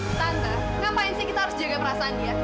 tante ngapain sih kita harus jaga perasaan dia